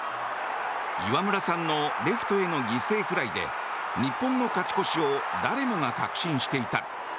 岩村さんのレフトへの犠牲フライで日本の勝ち越しを誰もが確信していた。